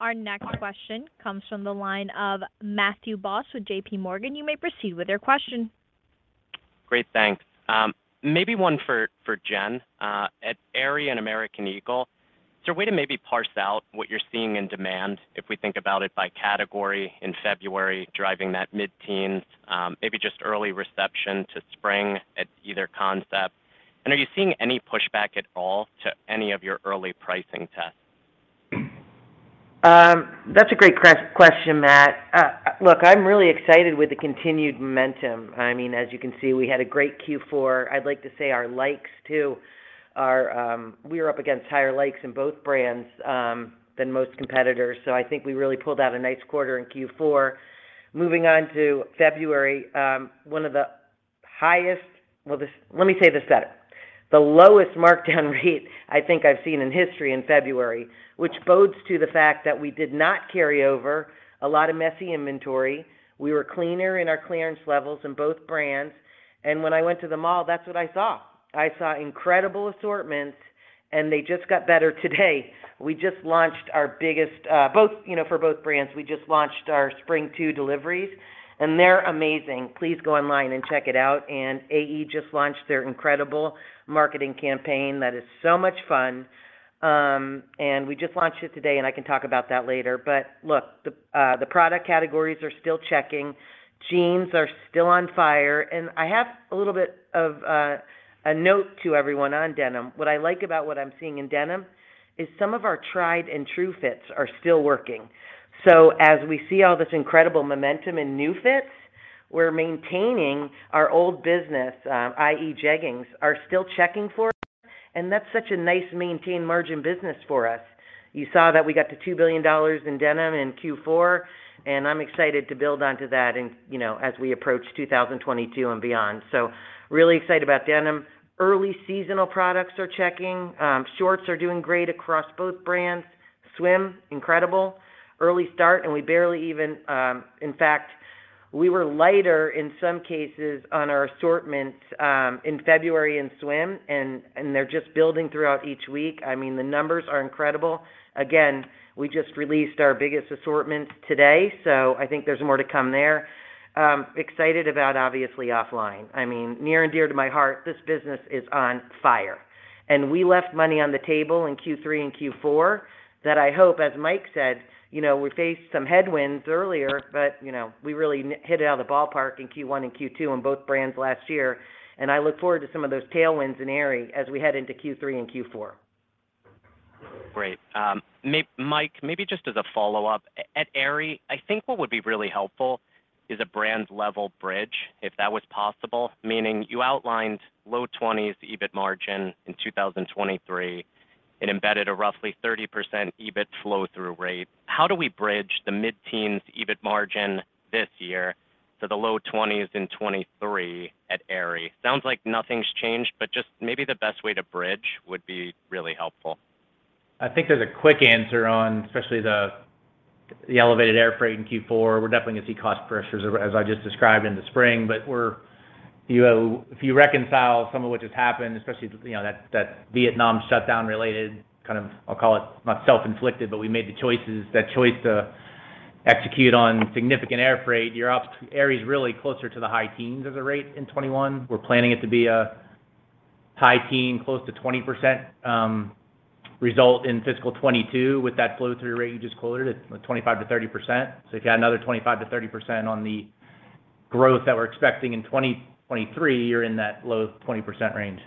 Our next question comes from the line of Matthew Boss with JPMorgan. You may proceed with your question. Great. Thanks. Maybe one for Jen. At Aerie and American Eagle, is there a way to maybe parse out what you're seeing in demand, if we think about it by category in February, driving that mid-teens, maybe just early reception to spring at either concept? Are you seeing any pushback at all to any of your early pricing tests? That's a great question, Matt. Look, I'm really excited with the continued momentum. I mean, as you can see, we had a great Q4. I'd like to say our comps too are. We are up against higher comps in both brands than most competitors. So I think we really pulled out a nice quarter in Q4. Moving on to February, the lowest markdown rate I think I've seen in history in February, which bodes to the fact that we did not carry over a lot of excess inventory. We were cleaner in our clearance levels in both brands. When I went to the mall, that's what I saw. I saw incredible assortments, and they just got better today. We just launched our biggest both. You know, for both brands, we just launched our spring two deliveries, and they're amazing. Please go online and check it out. AE just launched their incredible marketing campaign that is so much fun. We just launched it today, and I can talk about that later. Look, the product categories are still checking. Jeans are still on fire. I have a little bit of a note to everyone on denim. What I like about what I'm seeing in denim is some of our tried and true fits are still working. As we see all this incredible momentum in new fits, we're maintaining our old business, i.e. jeggings, are still checking for us, and that's such a nice maintained margin business for us. You saw that we got to $2 billion in denim in Q4, and I'm excited to build onto that and, you know, as we approach 2022 and beyond. Really excited about denim. Early seasonal products are checking. Shorts are doing great across both brands. Swim incredible. Early start. In fact, we were lighter in some cases on our assortments in February in swim, and they're just building throughout each week. I mean, the numbers are incredible. Again, we just released our biggest assortments today, so I think there's more to come there. Excited about obviously OFFLINE. I mean, near and dear to my heart, this business is on fire. We left money on the table in Q3 and Q4 that I hope, as Mike said, you know, we faced some headwinds earlier, but, you know, we really hit it out of the ballpark in Q1 and Q2 on both brands last year. I look forward to some of those tailwinds in Aerie as we head into Q3 and Q4. Great. Mike, maybe just as a follow-up. At Aerie, I think what would be really helpful is a brand's level bridge If that was possible, meaning you outlined low-20s% EBIT margin in 2023. It embedded a roughly 30% EBIT flow-through rate. How do we bridge the mid-teens% EBIT margin this year to the low-20s% in 2023 at Aerie? Sounds like nothing's changed, but just maybe the best way to bridge would be really helpful. I think there's a quick answer on especially the elevated air freight in Q4. We're definitely gonna see cost pressures as I just described in the spring. If you reconcile some of what just happened, especially, you know, that Vietnam shutdown related kind of, I'll call it not self-inflicted, but we made the choices, that choice to execute on significant air freight, Aerie's really closer to the high teens as a rate in 2021. We're planning it to be a high teen, close to 20%, result in fiscal 2022. With that flow through rate you just quoted, it's 25%-30%. You've got another 25%-30% on the growth that we're expecting in 2023, you're in that low 20% range.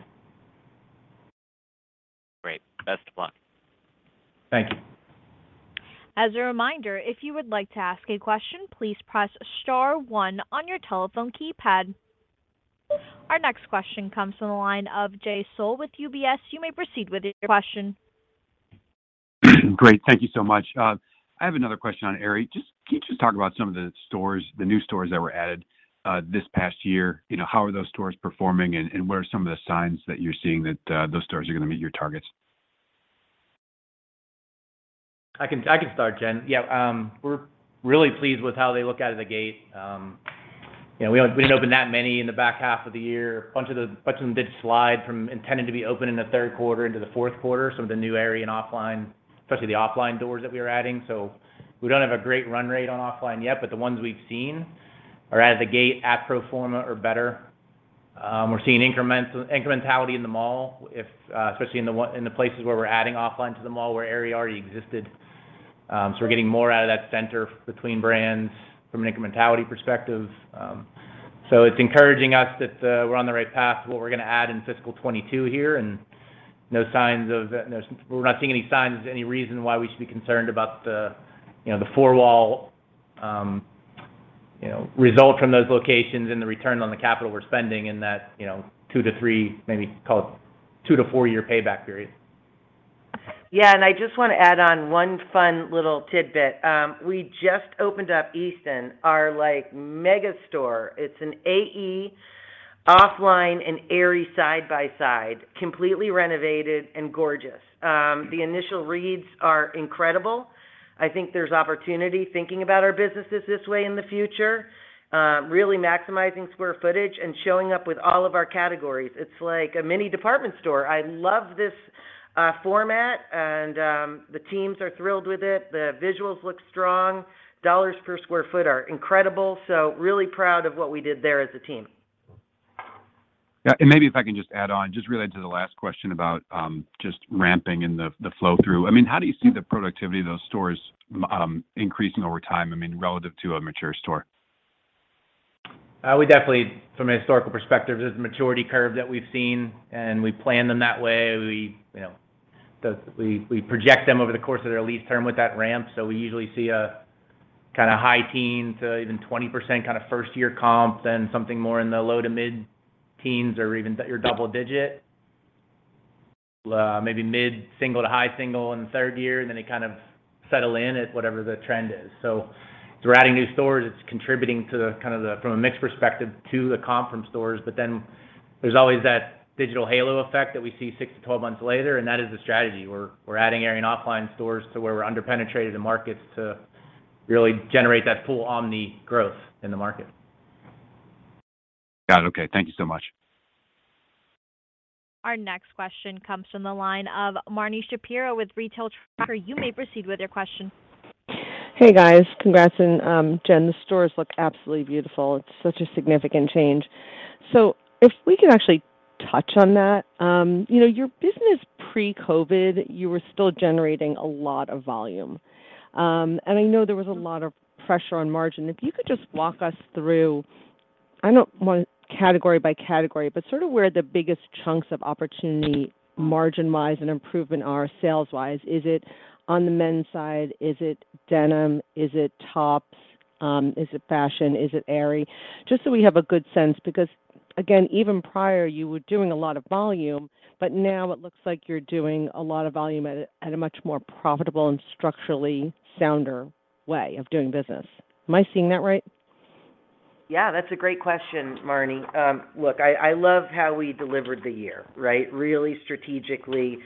Great. Best of luck. Thank you. As a reminder, if you would like to ask a question, please press star one on your telephone keypad. Our next question comes from the line of Jay Sole with UBS. You may proceed with your question. Great. Thank you so much. I have another question on Aerie. Just, can you just talk about some of the stores, the new stores that were added, this past year. You know, how are those stores performing and what are some of the signs that you're seeing that those stores are gonna meet your targets? I can start, Jen. Yeah, we're really pleased with how they look out of the gate. You know, we didn't open that many in the back half of the year. A bunch of them did slide from intending to be open in the third quarter into the Q4, some of the new Aerie and OFFLINE, especially the OFFLINE doors that we were adding. We don't have a great run rate on OFFLINE yet, but the ones we've seen are out of the gate at pro forma or better. We're seeing incrementality in the mall, especially in the places where we're adding OFFLINE to the mall where Aerie already existed. We're getting more out of that center between brands from an incrementality perspective. It's encouraging us that we're on the right path of what we're gonna add in fiscal year 2022 here, and we're not seeing any signs of any reason why we should be concerned about the, you know, the four wall, you know, result from those locations and the return on the capital we're spending in that, you know, 2-3, maybe call it 2-4-year payback period. Yeah. I just wanna add on one fun little tidbit. We just opened up Easton, our, like, mega store. It's an AE OFFLINE and Aerie side by side, completely renovated and gorgeous. The initial reads are incredible. I think there's opportunity thinking about our businesses this way in the future, really maximizing square footage and showing up with all of our categories. It's like a mini department store. I love this format and the teams are thrilled with it. The visuals look strong. Dollars per square foot are incredible, so really proud of what we did there as a team. Yeah. Maybe if I can just add on, just related to the last question about just ramping and the flow through. I mean, how do you see the productivity of those stores increasing over time, I mean, relative to a mature store? We definitely, from a historical perspective, there's a maturity curve that we've seen, and we plan them that way. We, you know, project them over the course of their lease term with that ramp. We usually see a kinda high teen to even 20% kinda first year comp, then something more in the low to mid-teens or even your double digit. Maybe mid-single to high single in the third year, and then they kind of settle in at whatever the trend is. As we're adding new stores, it's contributing to the, kind of, from a mix perspective to the comp from stores. There's always that digital halo effect that we see six to 12 months later, and that is the strategy. We're adding Aerie and OFFLINE stores to where we're under-penetrated in markets to really generate that full omni growth in the market. Got it. Okay. Thank you so much. Our next question comes from the line of Marni Shapiro with Retail Tracker. You may proceed with your question. Hey, guys. Congrats. Jen, the stores look absolutely beautiful. It's such a significant change. If we can actually touch on that, you know, your business pre-COVID, you were still generating a lot of volume. I know there was a lot of pressure on margin. If you could just walk us through, I don't want category by category, but sort of where the biggest chunks of opportunity margin-wise and improvement are sales-wise. Is it on the men's side? Is it denim? Is it tops? Is it fashion? Is it Aerie? Just so we have a good sense because, again, even prior, you were doing a lot of volume, but now it looks like you're doing a lot of volume at a much more profitable and structurally sounder way of doing business. Am I seeing that right? Yeah, that's a great question, Marni. Look, I love how we delivered the year, right? Really strategically,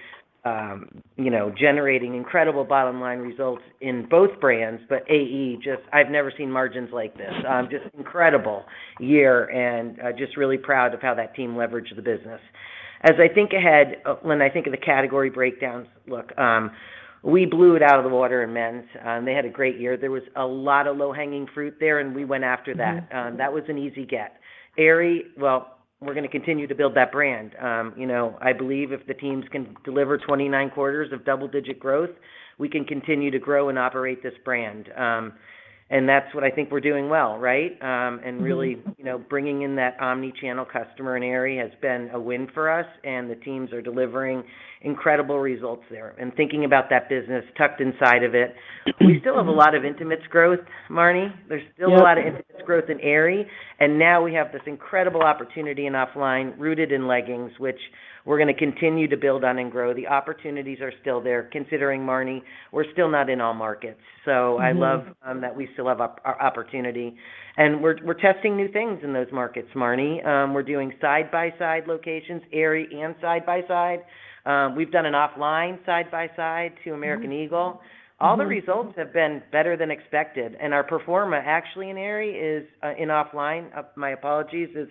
you know, generating incredible bottom line results in both brands. AE just. I've never seen margins like this. Just incredible year, and just really proud of how that team leveraged the business. As I think ahead, when I think of the category breakdowns, look, we blew it out of the water in men's. They had a great year. There was a lot of low-hanging fruit there, and we went after that. Mm-hmm. That was an easy get. Aerie, well, we're gonna continue to build that brand. You know, I believe if the teams can deliver 29 quarters of double-digit growth, we can continue to grow and operate this brand. That's what I think we're doing well, right? Mm-hmm You know, bringing in that omni-channel customer in Aerie has been a win for us, and the teams are delivering incredible results there. Thinking about that business, tucked inside of it, we still have a lot of intimates growth, Marni. There's still a lot of intimates growth in Aerie, and now we have this incredible opportunity in OFFLINE rooted in leggings, which we're gonna continue to build on and grow. The opportunities are still there. Considering, Marni, we're still not in all markets. I love- Mm-hmm that we still have opportunity, and we're testing new things in those markets, Marnie. We're doing side-by-side locations, Aerie and side by side. We've done an OFFLINE side-by-side to American Eagle. Mm-hmm. All the results have been better than expected, and our performance actually in Offline, my apologies, is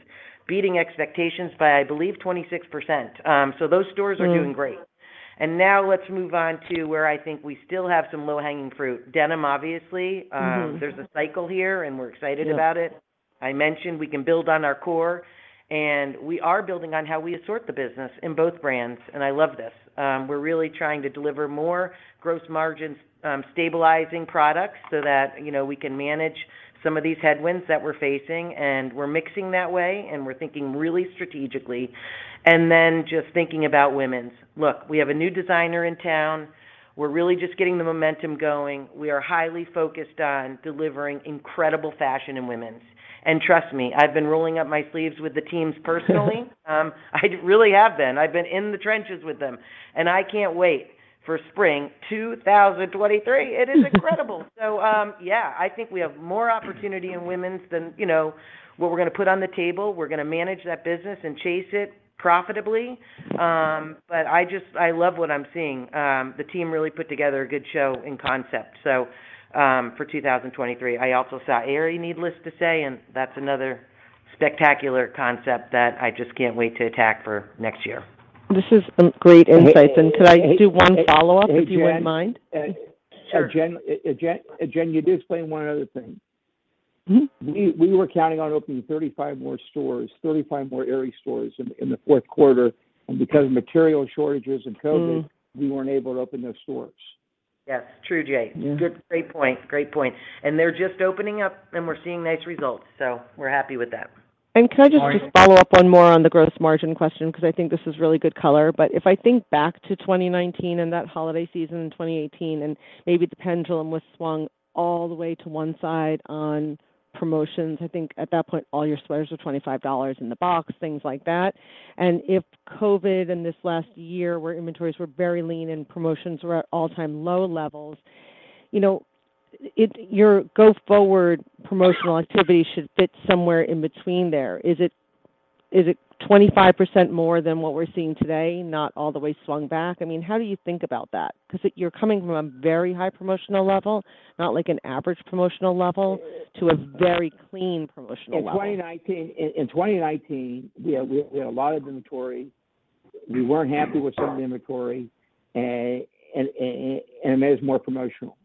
beating expectations by, I believe, 26%. So those stores are doing great. Mm-hmm. Now let's move on to where I think we still have some low-hanging fruit. Denim, obviously. I mentioned we can build on our core, and we are building on how we assort the business in both brands, and I love this. We're really trying to deliver more gross margins, stabilizing products so that, you know, we can manage some of these headwinds that we're facing, and we're mixing that way, and we're thinking really strategically. Just thinking about women's. Look, we have a new designer in town. We're really just getting the momentum going. We are highly focused on delivering incredible fashion in women's. Trust me, I've been rolling up my sleeves with the teams personally. I really have been. I've been in the trenches with them, and I can't wait for Spring 2023. It is incredible. Yeah, I think we have more opportunity in women's than, you know... What we're gonna put on the table, we're gonna manage that business and chase it profitably. But I just, I love what I'm seeing. The team really put together a good show and concept. For 2023. I also saw Aerie needless to say, and that's another spectacular concept that I just can't wait to attack for next year. This is some great insights. And, and- Could I do one follow-up, if you wouldn't mind? Hey, Jen. Sure. Jen, you did explain one other thing. Mm-hmm. We were counting on opening 35 more stores, 35 more Aerie stores in the Q4, and because of material shortages and COVID. Mm-hmm We weren't able to open those stores. Yes. True, Jay. Mm-hmm. Great point. They're just opening up, and we're seeing nice results, so we're happy with that. Could I just Marni? Just follow up one more on the gross margin question, because I think this is really good color. If I think back to 2019 and that holiday season in 2018, and maybe the pendulum was swung all the way to one side on promotions. I think at that point, all your sweaters were $25 in the box, things like that. If COVID and this last year, where inventories were very lean and promotions were at all-time low levels, you know, your go-forward promotional activity should fit somewhere in between there. Is it 25% more than what we're seeing today? Not all the way swung back. I mean, how do you think about that? Because you're coming from a very high promotional level, not like an average promotional level, to a very clean promotional level. In 2019, we had a lot of inventory. We weren't happy with some of the inventory, and it was more promotional.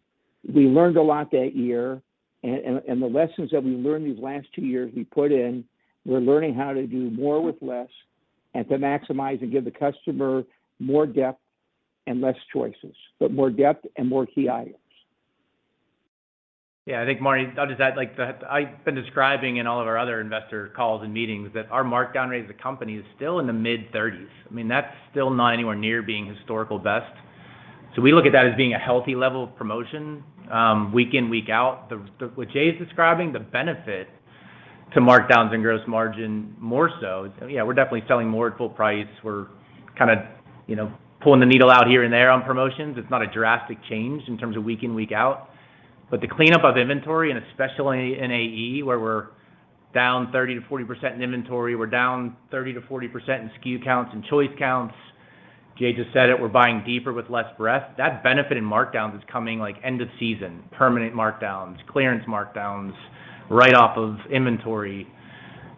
We learned a lot that year, and the lessons that we learned these last two years, we put in. We're learning how to do more with less and to maximize and give the customer more depth and less choices, but more depth and more key items. Yeah. I think, Marni, I'll just add, like, I've been describing in all of our other investor calls and meetings that our markdown rate as a company is still in the mid-30s%. I mean, that's still not anywhere near being historical best. We look at that as being a healthy level of promotion, week in, week out. What Jay is describing, the benefit to markdowns and gross margin more so. Yeah, we're definitely selling more at full price. We're kinda, you know, pulling the needle out here and there on promotions. It's not a drastic change in terms of week in, week out. The cleanup of inventory, and especially in AE, where we're down 30%-40% in inventory. We're down 30%-40% in SKU counts and choice counts. Jay just said it, we're buying deeper with less breadth. That benefit in markdowns is coming, like, end of season, permanent markdowns, clearance markdowns, write off of inventory.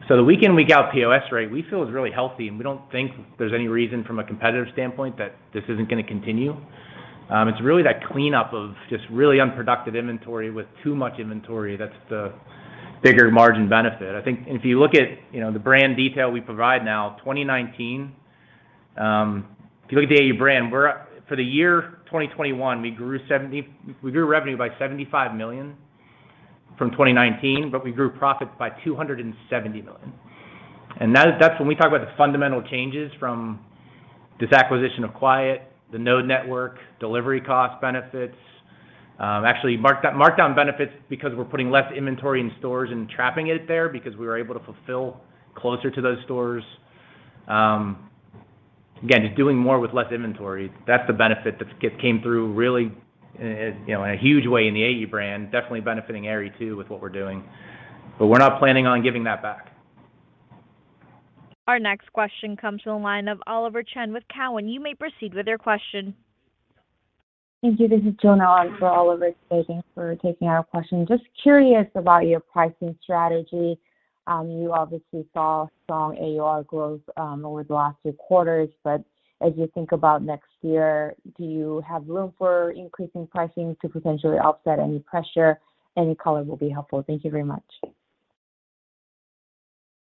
So the week in, week out POS rate, we feel is really healthy, and we don't think there's any reason from a competitive standpoint that this isn't gonna continue. It's really that cleanup of just really unproductive inventory with too much inventory that's the bigger margin benefit. If you look at, you know, the brand detail we provide now, 2019, if you look at the AE brand, for the year 2021, we grew revenue by $75 million from 2019, but we grew profits by $270 million. That is when we talk about the fundamental changes from this acquisition of Quiet, the node network, delivery cost benefits. Actually markdown benefits because we're putting less inventory in stores and trapping it there because we were able to fulfill closer to those stores. Again, just doing more with less inventory. That's the benefit that's come through really in, you know, in a huge way in the AE brand, definitely benefiting Aerie too with what we're doing. We're not planning on giving that back. Our next question comes from the line of Oliver Chen with Cowen. You may proceed with your question. Thank you. This is Jonna Kim for Oliver Chen. Thanks for taking our question. Just curious about your pricing strategy. You obviously saw strong AUR growth over the last two quarters, but as you think about next year, do you have room for increasing pricing to potentially offset any pressure? Any color will be helpful. Thank you very much.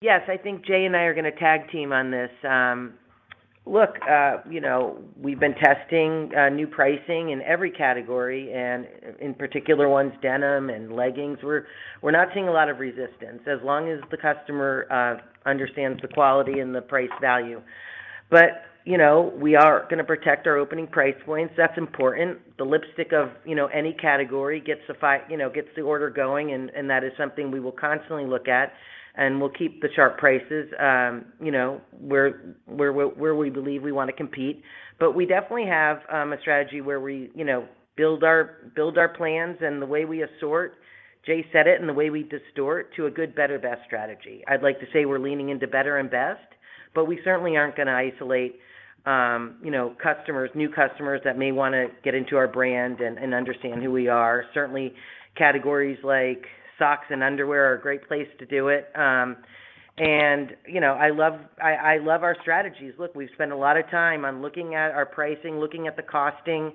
Yes. I think Jay and I are gonna tag team on this. Look, you know, we've been testing new pricing in every category, and in particular ones, denim and leggings. We're not seeing a lot of resistance as long as the customer understands the quality and the price value. But, you know, we are gonna protect our opening price points. That's important. The lipstick of any category gets the order going, and that is something we will constantly look at, and we'll keep the sharp prices where we believe we wanna compete. But we definitely have a strategy where we, you know, build our plans and the way we assort, Jay said it, and the way we assort to a good, better, best strategy. I'd like to say we're leaning into better and best, but we certainly aren't gonna isolate, you know, customers, new customers that may wanna get into our brand and understand who we are. Certainly, categories like socks and underwear are a great place to do it. You know, I love our strategies. Look, we've spent a lot of time on looking at our pricing, looking at the costing,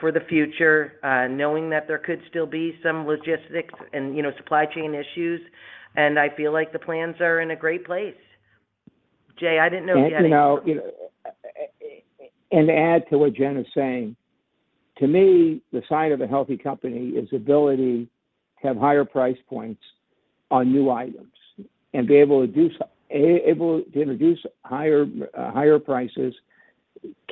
for the future, knowing that there could still be some logistics and, you know, supply chain issues, and I feel like the plans are in a great place. Jay, I didn't know if you had anything. You know, to add to what Jen is saying, to me, the sign of a healthy company is ability to have higher price points on new items and be able to do so, able to introduce higher prices,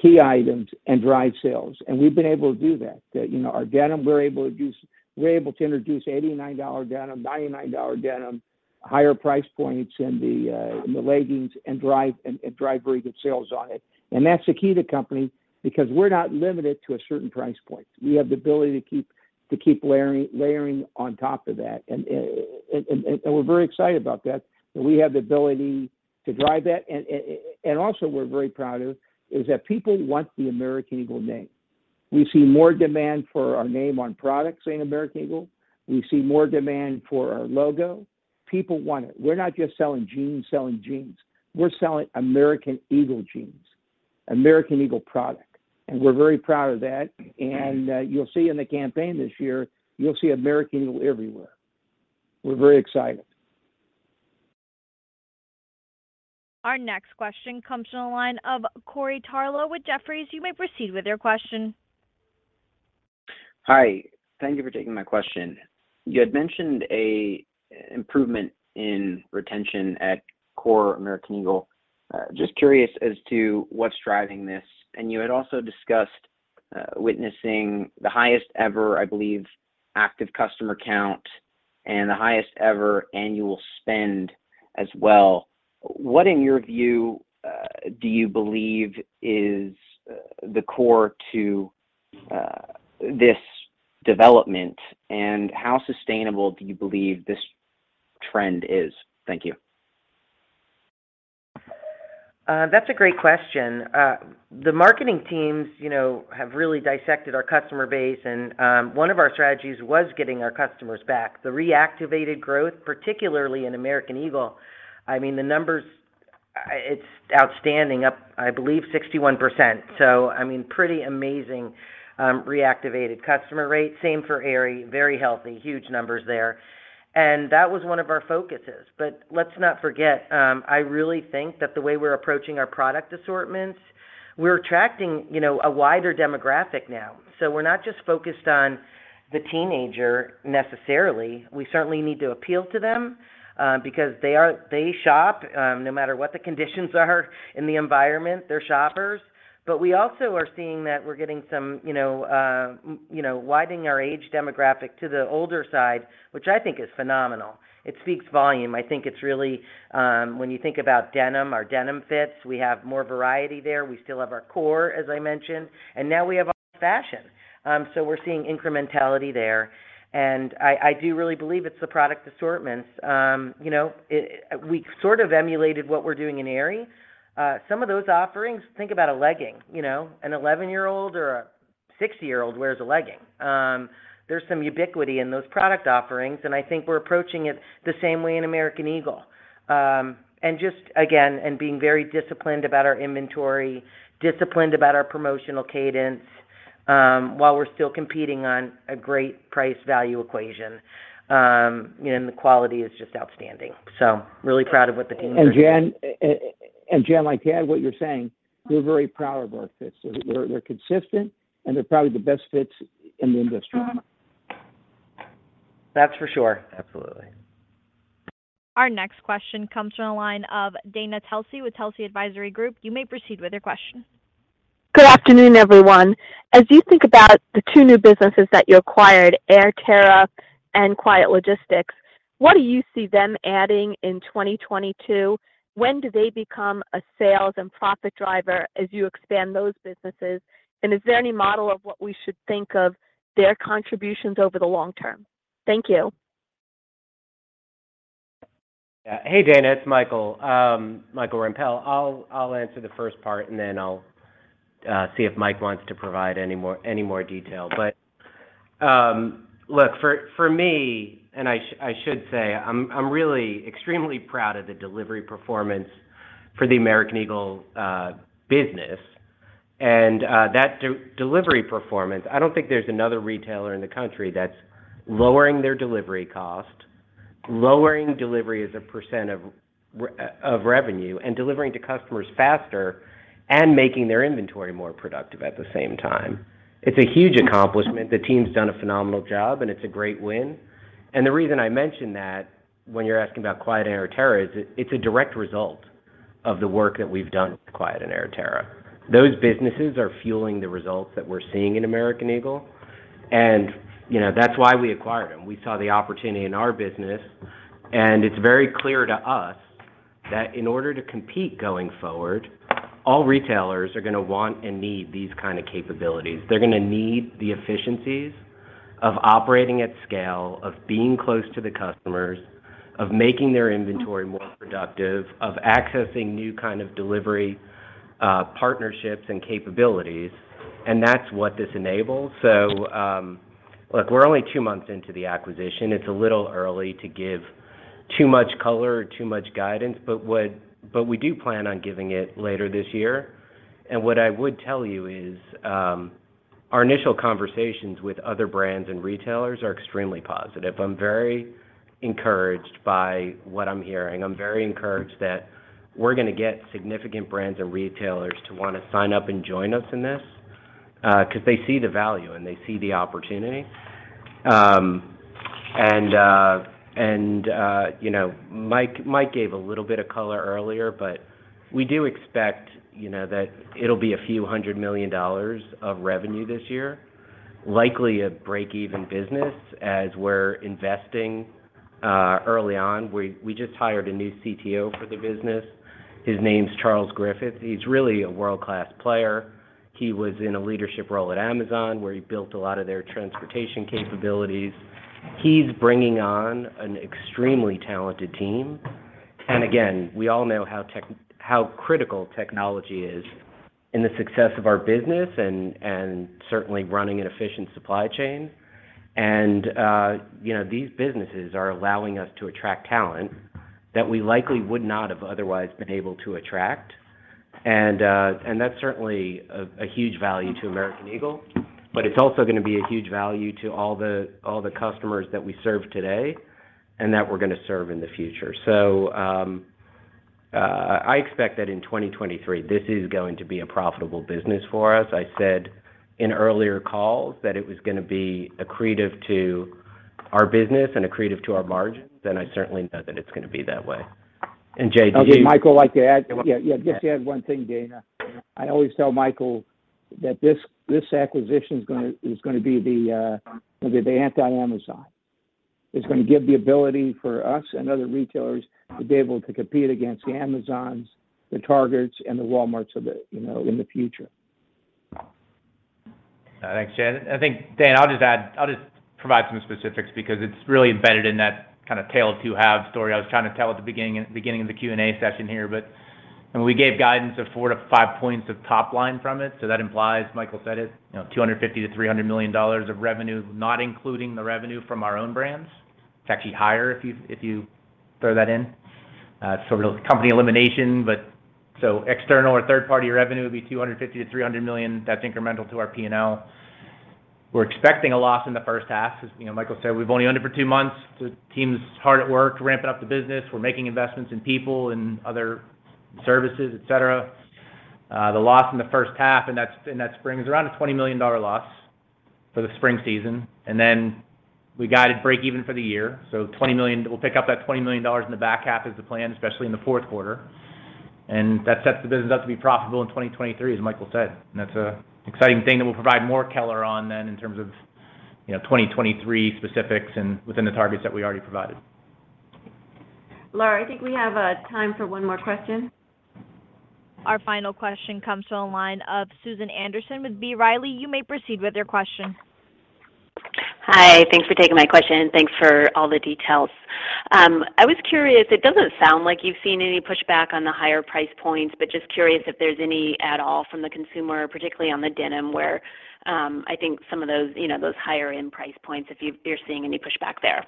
key items, and drive sales. We've been able to do that. You know, our denim, we're able to introduce $89 denim, $99 denim, higher price points in the leggings, and drive very good sales on it. That's the key to company because we're not limited to a certain price point. We have the ability to keep layering on top of that. We're very excited about that we have the ability to drive that. Also we're very proud of is that people want the American Eagle name. We see more demand for our name on products saying American Eagle. We see more demand for our logo. People want it. We're not just selling jeans. We're selling American Eagle jeans, American Eagle product, and we're very proud of that. You'll see in the campaign this year, you'll see American Eagle everywhere. We're very excited. Our next question comes from the line of Corey Tarlowe with Jefferies. You may proceed with your question. Hi, thank you for taking my question. You had mentioned an improvement in retention at core American Eagle. Just curious as to what's driving this. You had also discussed witnessing the highest ever, I believe, active customer count and the highest ever annual spend as well. What, in your view, do you believe is the core to this development, and how sustainable do you believe this trend is? Thank you. That's a great question. The marketing teams, you know, have really dissected our customer base, and one of our strategies was getting our customers back. The reactivated growth, particularly in American Eagle, I mean, the numbers, it's outstanding, up, I believe, 61%. I mean, pretty amazing, reactivated customer rate. Same for Aerie, very healthy, huge numbers there. That was one of our focuses. Let's not forget, I really think that the way we're approaching our product assortments, we're attracting, you know, a wider demographic now. We're not just focused on the teenager necessarily. We certainly need to appeal to them, because they shop, no matter what the conditions are in the environment, they're shoppers. We also are seeing that we're getting some, you know, widening our age demographic to the older side, which I think is phenomenal. It speaks volume. I think it's really, when you think about denim, our denim fits, we have more variety there. We still have our core, as I mentioned, and now we have our fashion. We're seeing incrementality there. I do really believe it's the product assortments. You know, we sort of emulated what we're doing in Aerie. Some of those offerings, think about a legging. You know, an 11-year-old or a 60-year-old wears a legging. There's some ubiquity in those product offerings, and I think we're approaching it the same way in American Eagle. being very disciplined about our inventory, disciplined about our promotional cadence, while we're still competing on a great price value equation, and the quality is just outstanding. Really proud of what the team- Jen, like to add what you're saying, we're very proud of our fits. They're consistent, and they're probably the best fits in the industry. That's for sure. Absolutely. Our next question comes from the line of Dana Telsey with Telsey Advisory Group. You may proceed with your question. Good afternoon, everyone. As you think about the two new businesses that you acquired, Airterra and Quiet Logistics, what do you see them adding in 2022? When do they become a sales and profit driver as you expand those businesses? Is there any model of what we should think of their contributions over the long term? Thank you. Yeah. Hey, Dana, it's Michael Rempell. I'll answer the first part, and then I'll see if Mike wants to provide any more detail. Look, for me, I should say, I'm really extremely proud of the delivery performance for the American Eagle business. That delivery performance, I don't think there's another retailer in the country that's lowering their delivery cost, lowering delivery as a percent of revenue, and delivering to customers faster, and making their inventory more productive at the same time. It's a huge accomplishment. The team's done a phenomenal job, and it's a great win. The reason I mention that when you're asking about Quiet and Airterra is it's a direct result of the work that we've done with Quiet and Airterra. Those businesses are fueling the results that we're seeing in American Eagle. You know, that's why we acquired them. We saw the opportunity in our business, and it's very clear to us that in order to compete going forward, all retailers are gonna want and need these kind of capabilities. They're gonna need the efficiencies of operating at scale, of being close to the customers, of making their inventory more productive, of accessing new kind of delivery, partnerships and capabilities. That's what this enables. Look, we're only two months into the acquisition. It's a little early to give too much color or too much guidance, but we do plan on giving it later this year. What I would tell you is, our initial conversations with other brands and retailers are extremely positive. I'm very encouraged by what I'm hearing. I'm very encouraged that we're gonna get significant brands and retailers to wanna sign up and join us in this, 'cause they see the value and they see the opportunity. You know, Mike gave a little bit of color earlier, but we do expect, you know, that it'll be a few $100 million of revenue this year. Likely a break-even business as we're investing early on. We just hired a new CTO for the business. His name's Charles Griffith. He's really a world-class player. He was in a leadership role at Amazon, where he built a lot of their transportation capabilities. He's bringing on an extremely talented team. Again, we all know how critical technology is in the success of our business and certainly running an efficient supply chain. You know, these businesses are allowing us to attract talent that we likely would not have otherwise been able to attract. That's certainly a huge value to American Eagle, but it's also gonna be a huge value to all the customers that we serve today and that we're gonna serve in the future. I expect that in 2023, this is going to be a profitable business for us. I said in earlier calls that it was gonna be accretive to our business and accretive to our margins, then I certainly know that it's gonna be that way. Jay, do you want add? Would Michael like to add? Yeah. Just to add one thing, Dana. I always tell Michael that this acquisition is gonna be maybe the anti-Amazon. It's gonna give the ability for us and other retailers to be able to compete against the Amazons, the Targets, and the Walmarts of the, you know, in the future. Thanks, Jay. I think, Dana, I'll just add. I'll just provide some specifics because it's really embedded in that kind of tale of two halves story I was trying to tell at the beginning of the Q&A session here. When we gave guidance of 4%-5% of top line from it, that implies, Michael said it, you know, $250 million-$300 million of revenue, not including the revenue from our own brands. It's actually higher if you throw that in. So intercompany elimination. External or third-party revenue would be $250 million-$300 million. That's incremental to our P&L. We're expecting a loss in the first half. As you know, Michael said, we've only owned it for two months. The team's hard at work to ramp up the business. We're making investments in people and other services, et cetera. The loss in the first half, and that's in that spring, is around a $20 million loss for the spring season. We guided break even for the year. $20 million. We'll pick up that $20 million in the back half is the plan, especially in the Q4. That sets the business up to be profitable in 2023, as Michael said. That's an exciting thing that we'll provide more color on that in terms of, you know, 2023 specifics and within the targets that we already provided. Laura, I think we have time for one more question. Our final question comes from the line of Susan Anderson with B. Riley. You may proceed with your question. Hi. Thanks for taking my question, and thanks for all the details. I was curious, it doesn't sound like you've seen any pushback on the higher price points, but just curious if there's any at all from the consumer, particularly on the denim, where, I think some of those, you know, those higher end price points, if you're seeing any pushback there?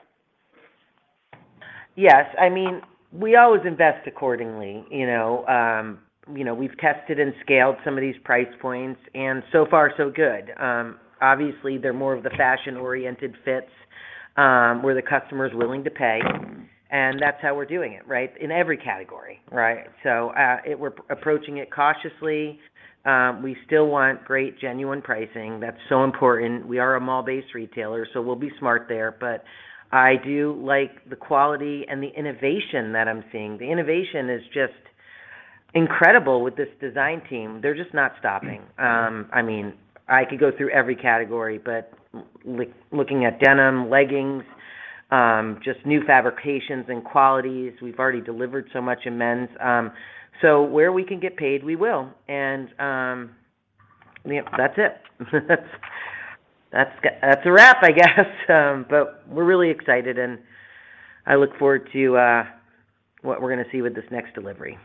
Yes. I mean, we always invest accordingly, you know. You know, we've tested and scaled some of these price points, and so far, so good. Obviously, they're more of the fashion-oriented fits, where the customer is willing to pay, and that's how we're doing it, right? In every category, right? We're approaching it cautiously. We still want great, genuine pricing. That's so important. We are a mall-based retailer, so we'll be smart there. I do like the quality and the innovation that I'm seeing. The innovation is just incredible with this design team. They're just not stopping. I mean, I could go through every category, but looking at denim, leggings, just new fabrications and qualities. We've already delivered so much in men's. So where we can get paid, we will. Yeah, that's it. That's a wrap, I guess. We're really excited, and I look forward to what we're gonna see with this next delivery.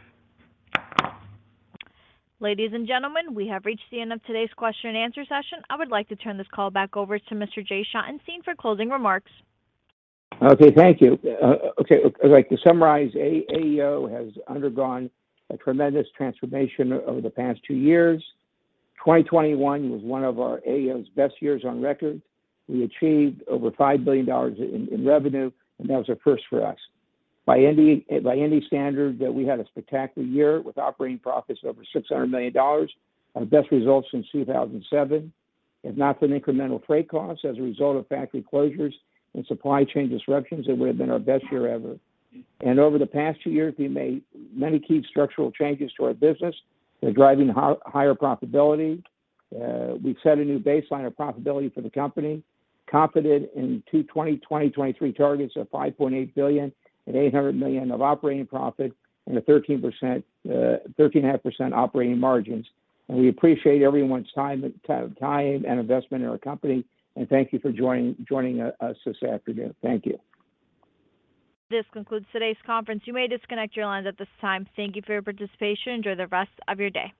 Ladies and gentlemen, we have reached the end of today's question and answer session. I would like to turn this call back over to Mr. Jay Schottenstein for closing remarks. Okay. Thank you. Okay. I'd like to summarize, AEO has undergone a tremendous transformation over the past two years. 2021 was one of our AEO's best years on record. We achieved over $5 billion in revenue, and that was a first for us. By any standard, that we had a spectacular year with operating profits over $600 million, our best results since 2007. If not for the incremental freight costs as a result of factory closures and supply chain disruptions, it would have been our best year ever. Over the past two years, we made many key structural changes to our business that are driving higher profitability. We've set a new baseline of profitability for the company, confident in 2023 targets of $5.8 billion and $800 million of operating profit and 13%-13.5% operating margins. We appreciate everyone's time and investment in our company, and thank you for joining us this afternoon. Thank you. This concludes today's conference. You may disconnect your lines at this time. Thank you for your participation. Enjoy the rest of your day.